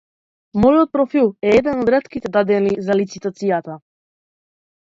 Мојот профил е еден од ретките дадени за лицитација.